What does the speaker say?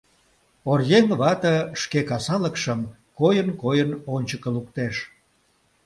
Оръеҥ вате шке касалыкшым койын-койын ончыко луктеш.